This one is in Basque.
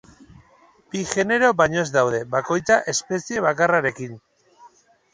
Bi genero baino ez daude, bakoitza espezie bakarrarekin.